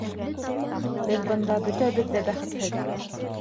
Беҙ бында бөтәбеҙ ҙә бәхетһеҙ.